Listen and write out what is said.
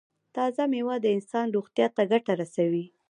تازه میوه د انسان روغتیا ته ګټه رسوي.